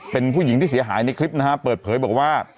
เป็นผู้หญิงที่เสียหายในคลิปนะฮะเปิดเผยบอกว่า